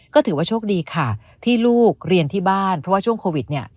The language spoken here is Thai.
ก็ถือว่าโชคดีค่ะที่ลูกเรียนที่บ้านเพราะว่าช่วงโควิดเนี่ย